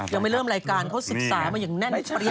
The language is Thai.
ยังไม่เริ่มรายการเขาศึกษามาอย่างแน่นเปรีย